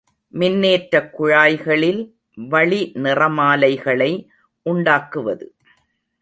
மின்னேற்றக் குழாய்களில் வளிநிறமாலைகளை உண்டாக்குவது.